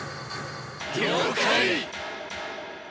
了解！